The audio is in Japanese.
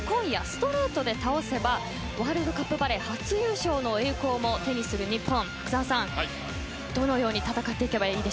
そのアメリカを今夜、ストレートで倒せばワールドカップバレー初優勝の栄光も手にする日本。